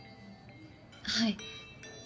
はい。